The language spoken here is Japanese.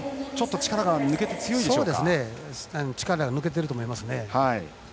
力が抜けていると思います。